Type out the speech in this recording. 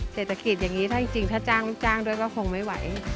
เศรษฐกิจอย่างนี้ถ้าจริงถ้าจ้างไม่จ้างด้วยก็คงไม่ไหว